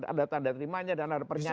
ada tanda terimanya dan ada pernyataan